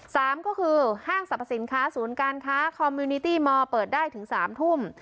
สามก็คือห้างสรรพสินค้าศูนย์การค้าคอมมิวนิตี้มอร์เปิดได้ถึงสามทุ่ม